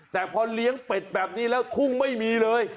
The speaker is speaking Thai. แต่พอเลี้ยงเป็ดแบบนี้แล้วทุ่งไม่มีเลย